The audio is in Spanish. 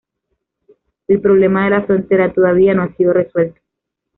El problema de la frontera todavía no ha sido resuelto.